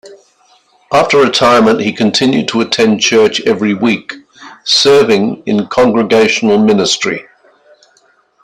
After retirement, he continued to attend church every week, serving in congregational ministry.